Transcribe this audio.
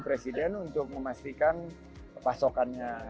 presiden untuk memastikan pasokannya